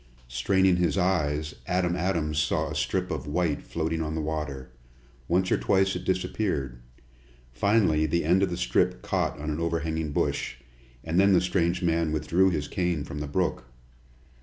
Straining his eyes, Adam Adams saw a strip of white floating on the water. Once or twice it disappeared. Finally the end of the strip caught on an overhanging bush, and then the strange man withdrew his cane from the brook.